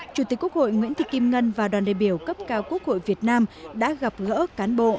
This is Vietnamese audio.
chủ tịch quốc hội nguyễn thị kim ngân và đoàn đại biểu cấp cao quốc hội việt nam đã gặp gỡ cán bộ